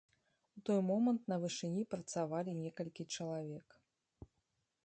У той момант на вышыні працавалі некалькі чалавек.